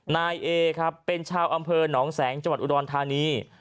นายเอครับเป็นชาวอำเภอหนองแสงจังหวัดอุดรธานี